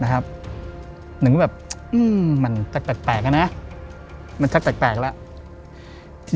นะครับหนึ่งก็แบบอืมมันแปลกแปลกแปลกอ่ะนะมันชัดแปลกแปลกแล้ว